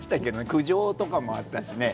苦情とかもあったしね。